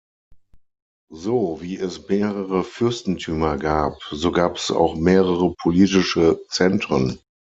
So, wie es mehrere Fürstentümer gab, so gab es auch mehrere politische Zentren.